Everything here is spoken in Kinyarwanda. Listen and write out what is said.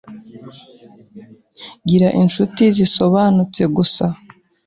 Gira inshuti zisobanutse gusa